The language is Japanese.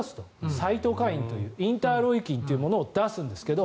サイトカインというインターロイキンというものを出すんですけど。